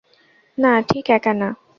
না, ঠিক একা না।